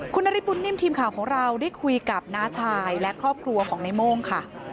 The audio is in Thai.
คุณนฤทธบุญนิ่มทีมข่าวของเราได้คุยกับน้าชายและครอบครัวของในโม่งค่ะ